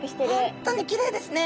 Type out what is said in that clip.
本当にきれいですね。